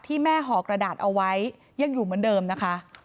แม่ห่อกระดาษเอาไว้ยังอยู่เหมือนเดิมนะคะ